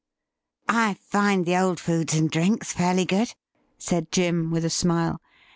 '"' I find the old foods and drinks fairly good,' said Jim, with a smile.